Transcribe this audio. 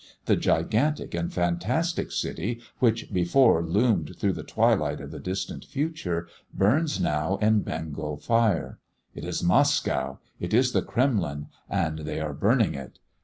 The gigantic and fantastic city, which before loomed through the twilight of the distant future, burns now in Bengal fire. It is Moscow! it is the Kremlin, and they are burning it!